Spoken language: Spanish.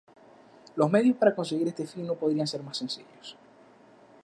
Los medios para conseguir este fin no podían ser más sencillos.